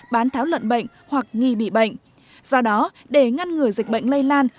bán tháo lợn bệnh hoặc nghi bị bệnh do đó để ngăn ngừa dịch bệnh lây lan